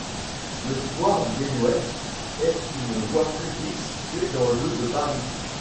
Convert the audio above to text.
Le square Desnouettes est une voie publique située dans le de Paris.